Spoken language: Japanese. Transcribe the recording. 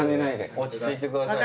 落ち着いてください。